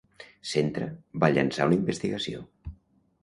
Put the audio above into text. Centra va llançar una investigació.